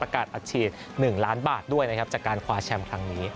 อัดฉีด๑ล้านบาทด้วยนะครับจากการคว้าแชมป์ครั้งนี้